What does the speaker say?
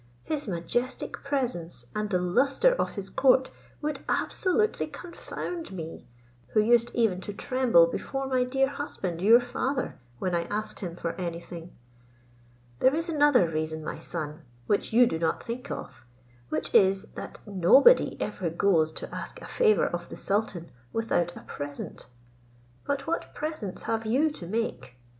His majestic presence and the lustre of his court would absolutely confound me, who used even to tremble before my dear husband your father, when I asked him for any thing. There is another reason, my son, which you do not think of, which is that nobody ever goes to ask a favour of the sultan without a present. But what presents have you to make?